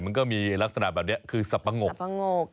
มันก็มีลักษณะแบบนี้คือซับปะงก